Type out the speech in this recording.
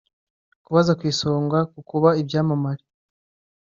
ku baza ku isonga ku kuba ibyamamare